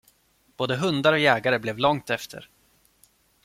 Både hundar och jägare blev långt efter.